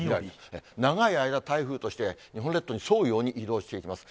長い間、台風として日本列島に沿うように移動していきます。